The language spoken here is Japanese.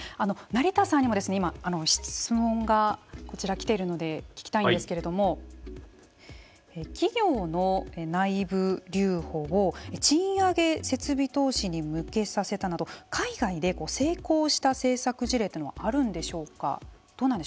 成田さんにも質問がこちら来ているので聞きたいんですけれども企業の内部留保を賃上げ設備投資に向けさせたなど海外で成功した政策事例というのはあるんでしょうか。